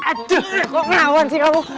aduh kok ngelawan sih kamu